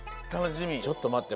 ちょっとまって。